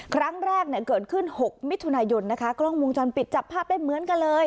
ครั้งแรกเนี่ยเกิดขึ้น๖มิถุนายนนะคะกล้องวงจรปิดจับภาพได้เหมือนกันเลย